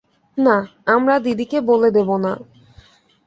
না, আমরা দিদিকে বলে দেব না।